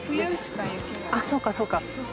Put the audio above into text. ああそうかそうか。